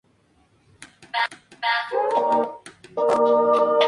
Sin embargo, la novela gótica influyó poderosamente en autores como Poe.